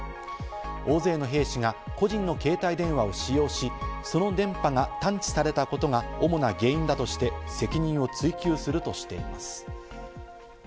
大勢の兵士が個人の携帯電話を使用し、その電波が探知されたことが主な原因だとして責任を追及するとしています。